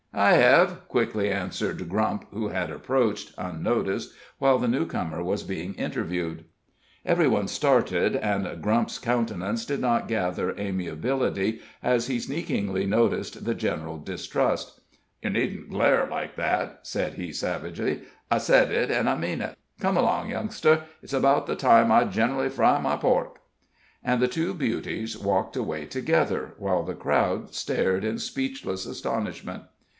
"I hev," quickly answered Grump, who had approached, unnoticed, while the newcomer was being interviewed. Every one started, and Grump's countenance did not gather amiability as he sneakingly noticed the general distrust. "Yer needn't glare like that," said he, savagely; "I sed it, an' I mean it. Come along, youngster it's about the time I generally fry my pork." And the two beauties walked away together, while the crowd stared in speechless astonishment.